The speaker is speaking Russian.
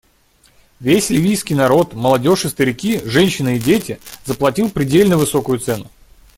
Весь ливийский народ — молодежь и старики, женщины и дети — заплатил предельно высокую цену.